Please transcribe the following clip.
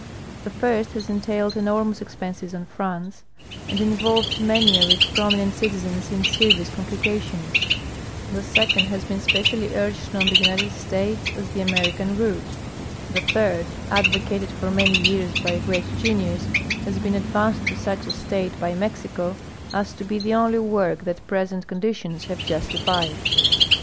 The first has entailed enormous exiienses on France and involved many of its promi nent citizens in serious conqdications ; the second has been spe cially urged on the United States as the Ameriean route; the third, advocated for many years by a great genius, has been ad vanced to snch a stage liy Mexico as to be the only Avork that jiresent conditions haA'e justified.